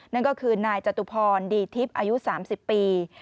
นั่นก็คือนายจตุพรดีทิพย์อายุ๓๐ปี